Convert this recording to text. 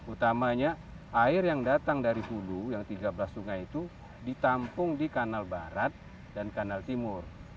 utamanya air yang datang dari hulu yang tiga belas sungai itu ditampung di kanal barat dan kanal timur